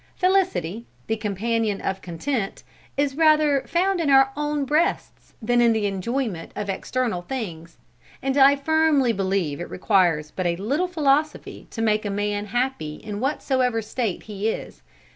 Felicity, the companion of content, is rather found in our own breasts, than in the enjoyment of external things; and I firmly believe it requires but a little philosophy to make a man happy in whatsoever state he is.